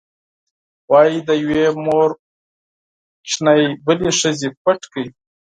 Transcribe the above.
وایي د یوې مور ماشوم بلې ښځې پټ کړ.